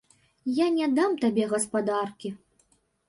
Я не дам табе гаспадаркі.